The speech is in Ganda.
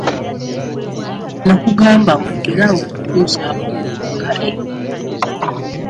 Nakugamba olekere awo okukyusa abawala nga engoye.